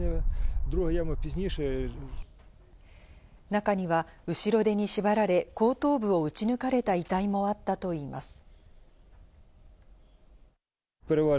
中には後ろ手に縛られ、後頭部を撃ち抜かれた遺体もあったといいます。